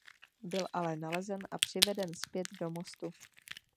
Byl ale nalezen a přiveden zpět do Mostu.